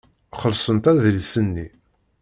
Xellṣent adlis-nni.